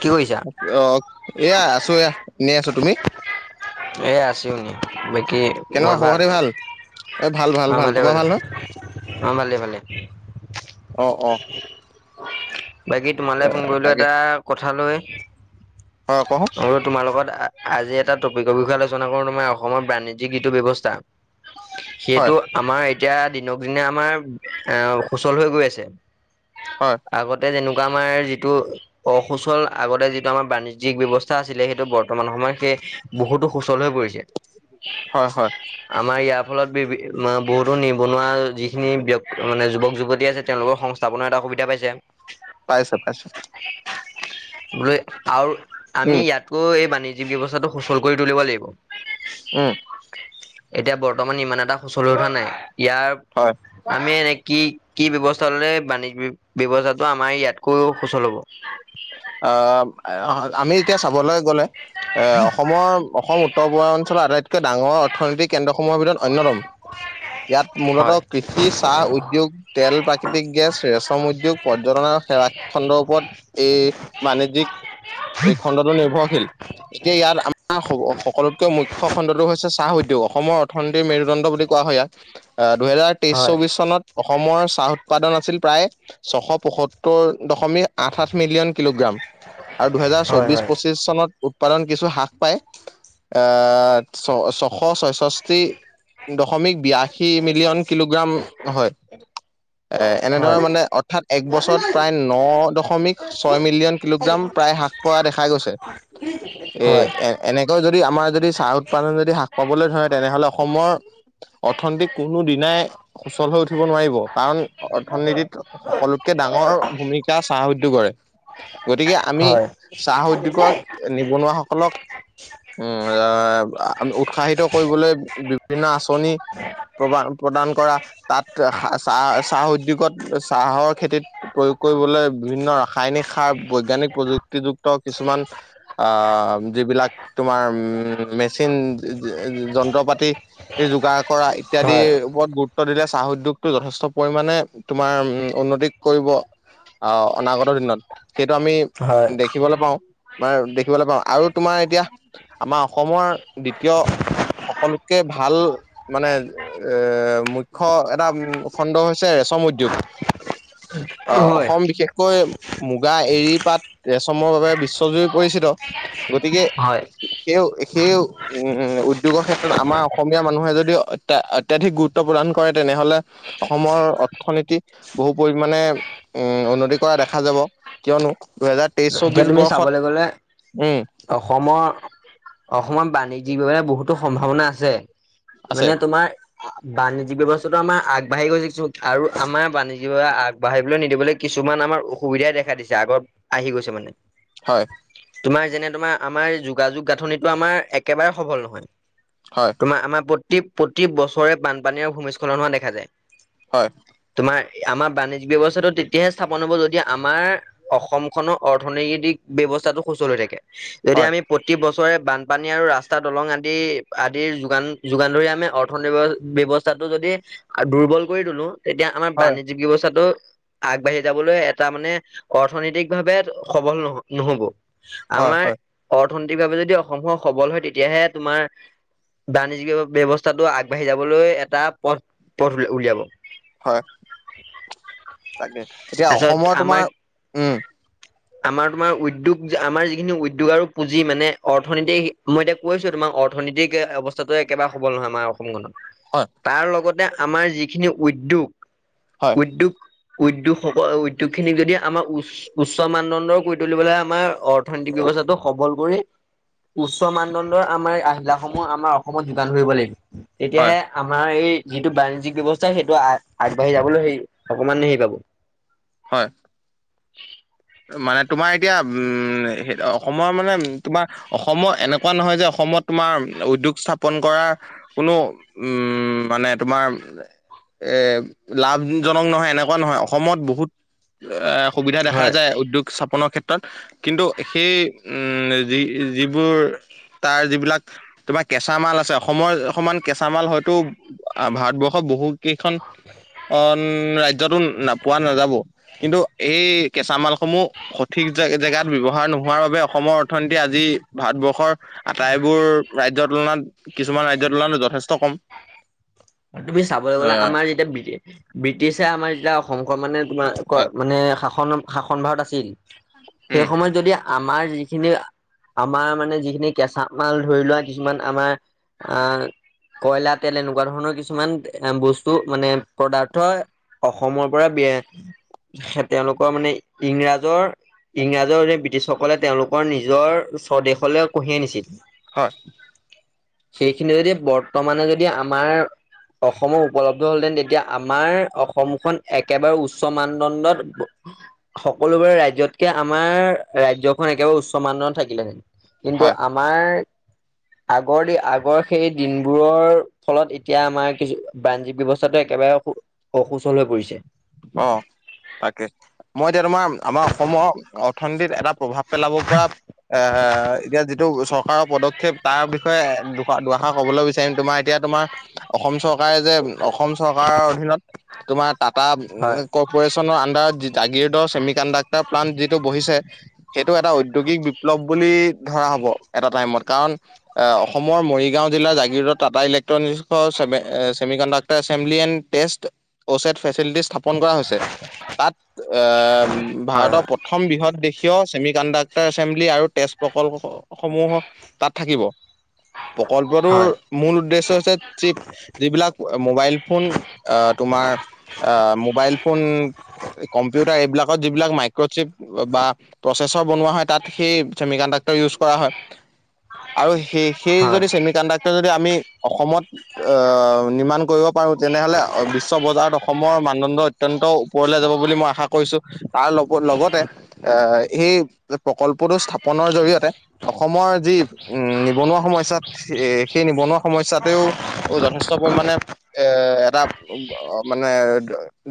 কি কৰিছা? অ', এয়া আছো এয়া এনেই আছো তুমি? এ আছোঁ এনে বাকি কেনেকুৱা বৰ খবৰ ভাল খাতি এ ভাল ভাল অ', ভাল তোমাৰ ভাল-ভাল ভাল নহয় অ', ভালে-ভালে। অ', অ'। বাকী এ তোমালৈ ফোন কৰিলো তাকে এটা কথা লৈ। অ', ক। অ', তোমাৰ লগত আজি এটা টপিকৰ বিষয়ে আলোচনা কৰোঁ তোমাৰ অসমৰ বাণিজ্যিক ঋতু ব্যৱস্থা। হয় সেইটো আমাৰ এতিয়া দিনক দিনে আমাৰ এ সুচল হৈ গৈ আছে। হয়। আগতে যেনেকুৱা আমাৰ যিটো অসুচল আগতে যিটো আমাৰ বাণিজ্ যি ব্য্ৱস্থা আছিলে সেইটো বৰ্তমান সময়ত সেই বহুতো সুচল হৈ পৰিছে। হয় হয়। আমাৰ ইয়াৰ ফলত বি বহুতো নিবনুৱা যিখিনি ব্যি মানে যুৱক যুৱতী আছে, তেওঁলোকৰ সংস্থাপনৰ এটা সুবিধা পাইছেঁ। পাইছেঁ পাইছেঁ। বোলে। আৰু আমি উম ইয়াতকো এই বাণিজ্যিক ব্যৱস্থাটো সুচল কৰি তুলিব লাগিব। উম্। এতিয়া বৰ্তমান ইমান এটা সুঁচল হোৱা নাই, ইয়াৰ হয়। আমি এনে কি। কি ব্যৱস্থা ল'লে বাণিজ্য ব্যৱস্থাটো আমাৰ ইয়াতকৈও সুচল হ'ব। অ', আমি এতিয়া চাবলৈ গ'লে এ অসমৰ অসমত। উত্তৰ-পূৰ্বাঞ্চলৰ অঞ্চলৰ আটাইতকৈ ডাঙৰ অৰ্থনৈতিক কেন্দ্ৰসমূহৰ ভিতৰত অন্যতম, ইয়াত মূলতঃ হয় কৃষি। কৃষি, চাহ উদ্যোগ, তেল, প্ৰাকৃতিক গেছ, ৰেচম উদ্যোগ পৰ্যটনৰ সেৱা খণ্ডৰ ওপৰত এই বাণিজ্যিক, এই খণ্ডটো নিৰ্ভৰশীল। এতিয়া ইয়াত আমাৰ সকলোতকৈ মুখ্য খণ্ডটো হৈছে চাহ উদ্যোগ, অসমৰ অৰ্থনীতিৰ মেৰুদণ্ড বুলি কোৱা হয় ইয়াক। দুহেজাৰ তেইস হয় চৌবিশ চনত। অসমৰ চাহ উৎপাদন আছিল প্ৰায় ছশ পয়সত্তৰ দশমিক আঠ-আঠ মিলিয়ন। কিলোগ্ৰাম আৰু দুহেজাৰ হয় চৌবিশ পঁচিশ চনত উৎপাদন কিছু হ্ৰাস পায়। এ ছ-ছশ ছয়ষষ্ঠি। দশমিক বিয়াশী মিলিয়ন কিলোগ্ৰাম হয়, এ এনেধৰে হয় মানে। অৰ্থাৎ এক বছৰত প্ৰায় ন দশমিক ছয় মিলিয়ন কিলোগ্ৰাম প্ৰায় হাক পোৱা দেখা গৈছে, এ, হয় হয় এ। এনেকৈ যদি আমাৰ যদি চাহ উৎপাদন যদি হ্ৰাস পাবলৈ ধৰে, তেনেহ'লে অসমৰ। অৰ্থনীতি কোনো দিনাই সুচল হৈ উঠিব নোৱাৰিব কাৰণ অৰ্থনীতিত সকলোতকৈ ডাঙৰ ভূমিকা চাহ উদ্যোগৰে। গতিকে আমি হয় চাহ উদ্যোগৰ নিবনুৱাসকলক উম্, আমি উৎসাহিত কৰিবলৈ বিভিন্ন আঁচনি প্ৰবান-প্ৰদান কৰা, তাত চাহ-চাহ উদ্যোগত চাহৰ খেতিত প্ৰয়োগ কৰিবলৈ বিভিন্ন ৰাসায়নিক সাৰ বৈজ্ঞানিক প্ৰযুক্তিযুক্ত কিছুমান আ', যিবিলাক। তোমাৰ উম্, মেচিন যন্ত্ৰপাতি যোগাৰ কৰা ইত্যাদিৰ হয় উপৰত গুৰুত্ব। গুৰুত্ব দিলে, চাহ উদ্যোগটো যথেষ্ট পৰিমাণে তোমাৰ উ উন্নতি কৰিব আ অনাগত। অনাগত দিনত সেইটো আমি হয়। দেখিবলৈ পাওঁ বা দেখিবলৈ পাওঁ আৰু তোমাৰ এতিয়া আমাৰ অসমৰ। দ্বিতীয় সকলোতকে ভাল মানে এ মুখ্য এটা উ খণ্ড হৈছে -ৰেচম উদ্যোগ। উম্, অ', অসম বিশেষকৈ মুগা, এৰিপাত, ৰেচমৰ বাবে বিশ্বজুৰি পৰিচিত। গতিকে, হয় সেই সেইও উম্, উদ্যোগৰ ক্ষেত্ৰত আমাৰ অসমীয়া মানুহে যদি অত্যাধিক গুৰুত্ব প্ৰদান কৰে তেনেহ'লে, অসমৰ অৰ্থনীতি বহু পৰিমাণে উম, উন্নতি কৰা দেখা দেখা যাব, কিয়নো দুহেজাৰ তেইশ এতিয়া চৌবিশ তুমি বৰ্ষত চাবলে গ'লে উম অসমৰ, অসমৰ বাণিজ্যিক ভাৱে বহুতো সম্ভাৱনা আছে। আছে মানে তোমাৰ বাণিজ্যিক ব্যৱস্থাটো আমাৰ আগবাঢ়ি গৈছে চোন আৰু আমাৰ বাণিজ্য আগবাঢ়িবলৈ নিদিবলে কিছুমান আমাৰ অসুবিধাই দেখা দিছে, আগত আহি গৈছে মানে। হয়। তোমাৰ যেনে তোমাৰ আমাৰ যোগাযোগ গাঁথনিটো আমাৰ একেবাৰে সবল নহয়। হয়। আমাৰ আমাৰ প্ৰতি প্ৰতি বছৰে বানপানী আৰু ভূমিস্খলন হোৱা দেখা যায়। হয়। তোমাৰ আমাৰ বাণিজ্যিক ব্যৱস্থাটো তেতিয়াহে স্থাপন হ'ব যদি আমাৰ অসমখনক অৰ্থনৈতিক ব্যৱস্থাটো সুচল হৈ থাকে, যদি হয় আমি প্ৰতি বছৰে বানপানী আৰু ৰাস্তা দলং আদি আদিৰ যোগান যোগান ধৰি আমি অৰ্থন ব্যৱস্থা টো যদি দুৰ্বল কৰি তোলো তেতিয়া আমাৰ হয় বাণিজ্যিক ব্যৱস্থাটো আগবাঢ়ি যাবলৈ এটা মানে অৰ্থনৈতিক ভাৱে সবল নহ- নহব, হয় আমাৰ হয় অৰ্থনৈতিক ভাৱে যদি অসমৰ সবল হয় তেতিয়াহে তোমাৰ বাণিজ্যিয় ব্যৱস্থাটো আগবাঢ়ি যাবলৈ এটা পথ পথ উলিয়াব। হয়। তাকে এতিয়া তাৰপিছত অসমৰ আমাৰ তোমাৰ, উম। আমাৰ তোমাৰ উদ্যোগ আমাৰ যিখিনি উদ্যোগ আৰু পুঁজি মানে অৰ্থনীতি মই এতিয়া কৈছোঁ তোমাৰ অৰ্থনীতিক অৱস্থাতো একেবাৰে সবল নহয় আমাৰ অসমখনত। হয়। তাৰ লগতে আমাৰ যিখিনি উদ্যয়োগ, হয় উদ্যোগ উদ্যোগ সকল, উদ্যোগ খিনিক যদি আমাৰ উচ উচ্চ মানদণ্ডৰ কৰি তুলিবলৈ আমাৰ অৰ্থনৈতিক ব্যৱস্থাটো সবল কৰি উচ্চ মানদণ্ডৰ আমাৰ আহিলাসমূহ আমাৰ অসমত যোগান ধৰিব লাগিব হয় তেতিয়াহে আমাৰ এই যিটো বৰ্নিজিক ব্যৱস্থা, সেইটো আগবাঢ়ি যাবলৈ হেৰি অকমানে হেৰি পাব। হয়। [unintelligible] মানে তোমাৰ এতিয়া, উম, অসমৰ মানে তোমাৰ অসমৰ এনেকুৱা নহয় যে, অসমত তোমাৰ উদ্যোগ স্থাপন কৰাৰ কোনো উম, মানে তোমাৰ এ লাভজনক নহয়, এনেকুৱা নহয়, অসমত বহুত এ সুবিধা দেখা যায়। হয় উদ্যোগ স্থাপনৰ ক্ষেত্ৰত কিন্তু সেই উম, যি যিবোৰ তাৰ যিবিলাক তোমাৰ কেঁচা মাল আছে, অসমৰ সমান কেঁচা মাল হয়তো ভাৰতবৰ্ষৰ বহুত কেইখন অ ৰাজ্যতো ন পোৱা নাযাব, কিন্তু এই কেঁচা মালসমূহ সঠিক জেগাত ব্যৱহাৰ নোহোৱাৰ বাবে অসমৰ অৰ্থনীতি আজি ভাৰতবৰ্ষৰ আটাইবোৰ ৰাজ্যৰ তুলনাত কিছুমান ৰাজ্যৰ তুলনাতো যথেষ্ট কম। তুমি চাবলৈ গ'লে অ'। আমাৰ যেতিয়া ব্ৰিটিছে, আমাৰ যেতিয়া অসমখন মানে হয় তোমালোকৰ মানে শাসন শাসন ভাৰত আছিল, সেই উম সময়ত যদি আমাৰ যিখিনি আমাৰ মানে যিখিনি কেঁচা মাল ধৰি লোৱা, কিছুমান আমাৰ আহ কয়লা তেল এনেকুৱা ধৰণৰ কি কিছুমান এ বস্তু মানে পদাৰ্থ অসমৰ পৰা বি তেওঁলোকৰ মানে ইংৰাজৰ ইংৰাজৰ ব্ৰিটিছসকলে তেওঁলোকৰ নিজৰ স্বদেশলৈ কঢ়িয়াই নিছিল। হয়। সেইখিনি যদি বৰ্তমানে যদি আমাৰ অসমত উপলব্ধ হ'লহেতেন, তেতিয়া আমাৰ অসমখন একেবাৰে উচ্চ মানদণ্ডত সকলোবোৰে ৰাজ্যতকে আমাৰ ৰাজ্যখন একেবাৰে উচ্চ মান থাকিলেহেন। কিন্তু হয় আমাৰ, আগৰ দি আগৰ সেই দিনবোৰৰ ফলত এতিয়া আমাৰ কিছু বা্ৰণজী ব্যৱস্থাটো, একেবাৰে অসুচল হৈ পৰিছে। অ', তাকে মই এতিয়া তোমাৰ আমাৰ অসমৰ অৰ্থনীতিত এটা প্ৰভাৱ পেলাব পৰা, এ এতিয়া এইটো চৰকাৰৰ পদক্ষেপ তাৰ বিষয়ে দু দুআষাৰ কবলৈ বিচাৰিম তোমাৰ এতিয়া তোমাৰ অসম চৰকাৰে যে, অসম চৰকাৰৰ অধীনত, তোমাৰ টাটা হয় ক অপৰেচনৰ আণ্ডাৰ জাগিদৰ চছেমি কণ্ডাক্টাৰ প্লান্ত যিটো বহিছে সেইটো এটা উদ্যোগিক বিপ্লৱ বুলি ধৰা হব এটা টাইমত কাৰণ আহ অসমৰ মৰিগাঁও জিলাৰ জাগিৰদ টাটা ইলেক্ট্ৰনিক অ' চেমি চেমিকনদাকটৰ এছেম্বলী এনদ টত কচেত ফেচেলিটিচ কৰা হৈছে, তাত আহ হয় ভাৰতৰ প্ৰথম বৃহৎ দেশীয় চছেমি কণ্ডাক্টৰ এছেম্বলি আৰু তেজ প্ৰকল্প সমূহৰ তাত থাকিব, প্ৰকল্পটোৰ হয় মূল উদ্দেশ্য হৈছে যিবিলাক মোবাইল ফোন, আহ তোমাৰ আহ মবাইল ফন, কম্পিউাৰ এইবত যিলাক মাইক্ৰ চিপ বা প্ৰচেছৰ বনোৱা হয় তাত সেই চেমিকনদাকটৰ কৰা হয়, আৰু স সেই হয় যদি চেমডাক্ যদি আমি, অসমত, আ ৰ্নিমান কৰিব পা পাৰ তেনেহলে বিশ্ব বজাৰত অসমৰ মানদণ্ড অত্যন্ত ওপৰলৈ যাব বুলি মই আশা কৰিছো তাৰ লগ লগতে এ সেই প্ৰকল্পটো স্থাপনৰ জৰিয়তে অসমৰ যি উম নিবনুৱা সমচ্যত এ সেই নিবনুৱা সমস্্যাতেও যথেষ্ট পৰিমণে এ এটা মানে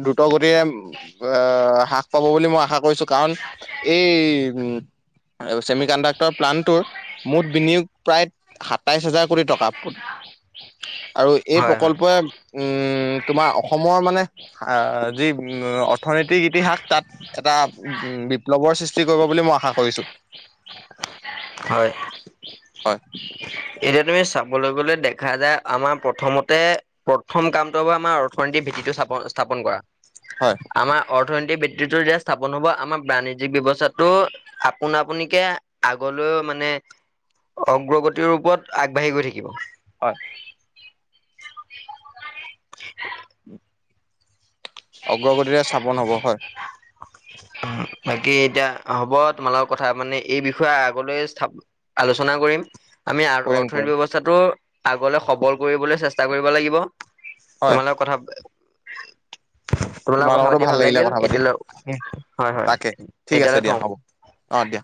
দ্ৰুত গতিয়ে এ হ্ৰাস পাব বুলি মই আশা কৰিছো কাৰণ এই উ চেমি কণ্ডাক্টৰ প্লানটোৰ মুঠ বিনিয়োগ প্ৰায় সাতাইশ হাজাৰ কোটি টকা আৰু এই হয় হয় প্ৰকল্পই উম তোমাৰ অসমৰ মানে আ যি উম অৰ্থনৈতিক ইতিহাস তাত এটা উ বিপ্লৱৰ সৃষ্টি কৰিব বুলি মই আশা কৰিছো। হয়। হয়। এতিয়া তুমি চাবলৈ গলে দেখা যায় আমাৰ প্ৰথমতে প্ৰথম কামটো হ আমাৰ অৰ্থনীতিৰ ভিত্তিটো স্থাপন স্থাপন কৰা। হয়। আমাৰ অৰ্থনীতি বৃত্তিতো যেতিয়া স্থাপন হব আমাৰ বাণিজ্যিক বৰ্ণীৰ্জিক ব্যৱস্থাটো আপোন আপুনিকে আগলৈও মানে অগ্ৰগতিৰ ৰূপত আগবাঢ়ি গৈ থাকিব। হয়। [unintelligible] অগ্ৰগতিৰে চাবন হব হয়। অ', বাকী এতিয়া হ'ব তোমালোকৰ কথা মানে এই বিষয়ে আগলৈ আলোচনা কৰিম আমি কৰিম কৰিম অৰ্থনীতি ব্যৱস্থাটো আগলে সবল কৰিবলৈ চেষ্টা চেষ্টা কৰিব লাগিব হয় তোমালোকৰ কথা [unintelligible] তোমাৰ লগতো ভাল লাগিলে লাগিল কথা পাতি এতিয়ালৈ হয় হয় তাকে ঠিক আছে এতিয়ালৈ দিয়া থওঁ। হ'ব অঁ', দিয়া।